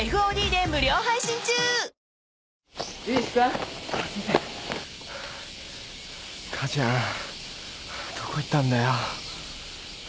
母ちゃんどこ行ったんだよ。